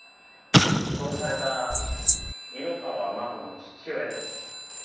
殺された色川真子の父親です。